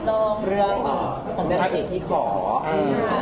ค่ะเรื่องเนื้อเอกที่ขอ